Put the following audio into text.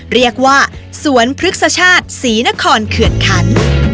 เรียกว่าสวนพฤกษชาติศรีนครเขื่อนคัน